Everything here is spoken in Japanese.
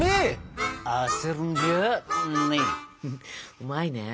うまいね。